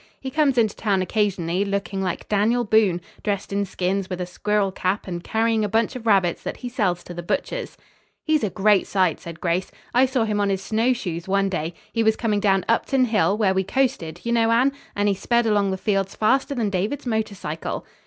He comes into town occasionally, looking like Daniel Boone, dressed in skins with a squirrel cap, and carrying a bunch of rabbits that he sells to the butchers." "He's a great sight," said Grace. "I saw him on his snowshoes one day. He was coming down Upton Hill, where we coasted, you know, Anne, and he sped along the fields faster than David's motor cycle."